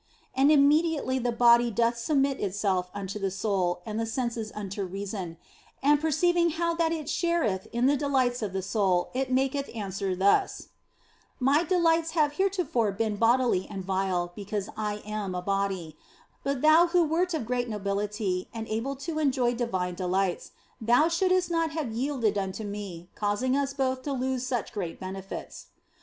And immediately the body doth submit OF FOLIGNO 31 itself unto the soul and the senses unto reason, and per ceiving how that it shareth in the delights of the soul it maketh answer thus :" My delights have heretofore been bodily and vile, because I am a body ; but thou who wert of great nobility and able to enjoy divine delights, thou shouldst not have yielded unto me, causing us both to lose such great benefits."